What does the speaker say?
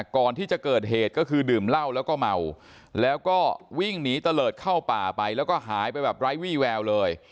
ก่อนที่จะเกิดเหตุก็คือดื่มเหล้าแล้วก็เมาแล้วก็วิ่งหนีตะเลิศเข้าป่าไปแล้วก็หายไปแบบไร้วี่แววเลย